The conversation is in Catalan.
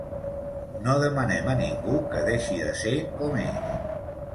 No demanem a ningú que deixi de ser com és.